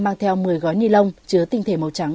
mang theo một mươi gói ni lông chứa tinh thể màu trắng